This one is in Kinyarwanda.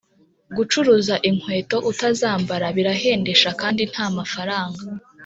Gucuruza inkweto utazambara birahendesha kandi ntamafaranga